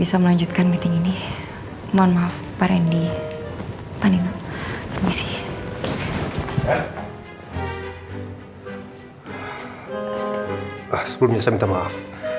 sebelumnya saya minta maaf